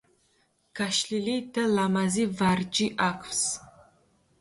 გაშლილი და ლამაზი ვარჯი აქვს.